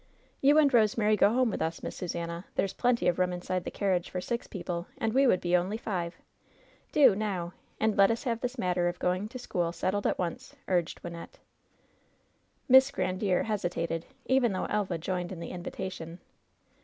"You and Rosemary go home with us. Miss Susannah. There's plenty of room inside the carriage for six people, and we would only be five. Do, now ! And let us have this matter of going to school settled at once," urged Wynnette. Miss Grandiere hesitated, even though Elva joined in the invitation.